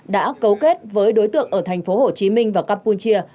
đã cấu kết với đối tượng ở thành phố hồ chí minh và campuchia